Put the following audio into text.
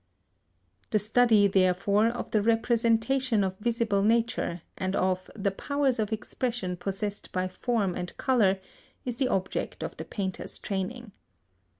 The study, therefore, of the #representation of visible nature# and of #the powers of expression possessed by form and colour# is the object of the painter's training.